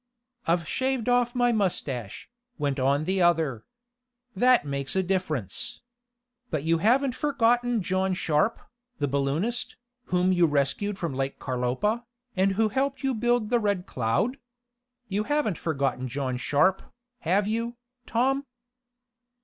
"I've shaved off my mustache," went on the other. "That makes a difference. But you haven't forgotten John Sharp, the balloonist, whom you rescued from Lake Carlopa, and who helped you build the Red Cloud? You haven't forgotten John Sharp, have you, Tom?"